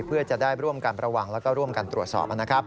เพื่อจะได้ร่วมกันระวังแล้วก็ร่วมกันตรวจสอบนะครับ